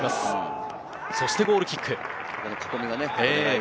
そしてゴールキック。